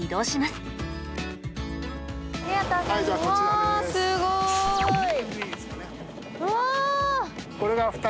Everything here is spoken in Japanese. すごい！